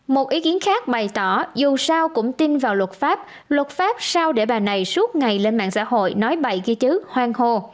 một ý kiến khác bày tỏ dù sao cũng tin vào luật pháp luật pháp sao để bà này suốt ngày lên mạng xã hội nói bài ghi chứ hoang khô